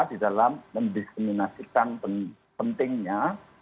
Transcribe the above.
di dalam mendiskriminasikan pentingnya